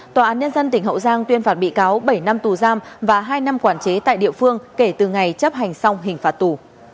tòa án nhân dân tỉnh hậu giang tuyên phạt bị cáo bảy năm tù giam và hai năm quản chế tại địa phương kể từ ngày chấp hành xong hình phạt tù